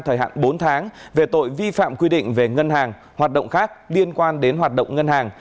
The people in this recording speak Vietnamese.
thời hạn bốn tháng về tội vi phạm quy định về ngân hàng hoạt động khác liên quan đến hoạt động ngân hàng